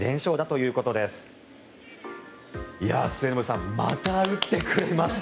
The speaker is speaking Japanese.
いや、末延さんまた打ってくれました。